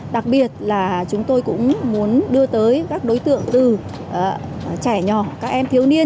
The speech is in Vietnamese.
đặc biệt là chúng tôi cũng muốn đưa tới các đối tượng từ trẻ nhỏ các em thiếu niên